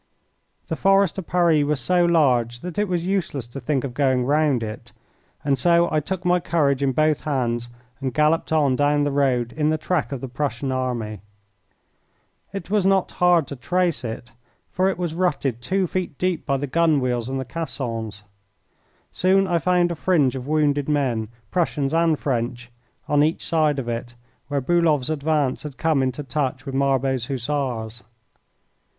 The Forest of Paris was so large that it was useless to think of going round it, and so I took my courage in both hands and galloped on down the road in the track of the Prussian army. It was not hard to trace it, for it was rutted two feet deep by the gun wheels and the caissons. Soon I found a fringe of wounded men, Prussians and French, on each side of it, where Bulow's advance had come into touch with Marbot's Hussars.